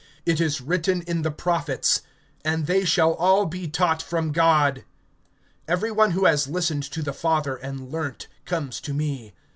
(45)It is written in the prophets: And they shall all be taught of God. Every one that has heard from the Father, and has learned, comes to me.